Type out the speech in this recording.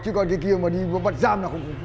chứ còn cái kia mà đi vô vật giảm